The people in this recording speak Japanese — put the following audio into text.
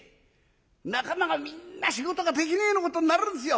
仲間がみんな仕事ができねえようなことになるんですよ！